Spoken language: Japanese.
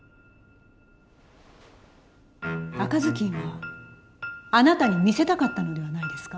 赤ずきんはあなたに見せたかったのではないですか？